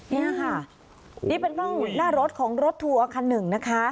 นี่ค่ะนี่เป็นกล้องหน้ารถของรถทัวร์คันหนึ่งนะคะ